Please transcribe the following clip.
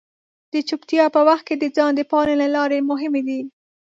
د چپتیا په وخت کې د ځان د پالنې لارې مهمې دي.